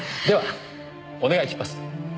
ではお願いします。